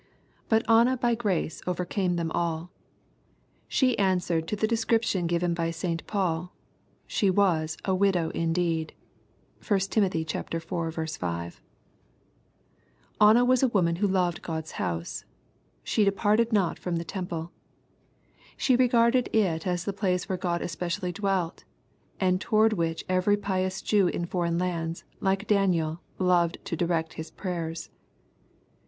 But Anna by grace overcame them alL She answered to the description given by St. Paul. She was " a widow indeed.'' (1 Tim. iv. 5.) Anna was a woman who loved God's house. " She departed not from the temple." She regarded it as the place where God especially dwelt, and toward which every pious Jew in foreign lands, like Daniel, loved to direct his prayers.